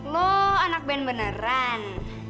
lo anak band beneran